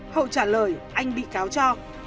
hậu trả lời anh bị cáo cho